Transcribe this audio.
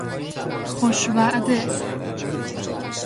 خوش وعده